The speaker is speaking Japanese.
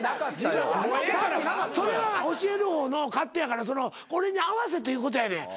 それは教える方の勝手やからこれに合わせということやねん。